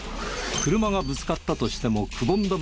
車がぶつかったとしてもくぼんだ